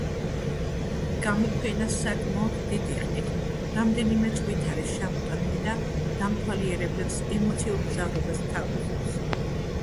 გამოფენა საკმაოდ დიდი ხნით, რამდენიმე წლით არის ჩამოტანილი და დამთვალიერებლებს ემოციურ მგზავრობას სთავაზობს.